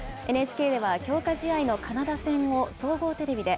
ＮＨＫでは強化試合のカナダ戦を総合テレビで。